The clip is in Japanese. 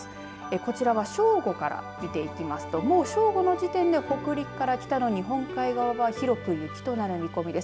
こちらは正午から見ていきますともう正午の時点で北陸から北の日本海側広く雪となる見込みです。